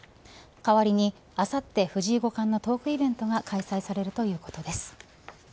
代わりに、あさって藤井五冠のトークイベントが開催されるということです。